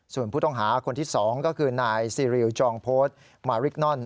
ส่วนผู้ต้องหาคนที่๒ก็คือนายซีริวจองโพสต์มาริกนอน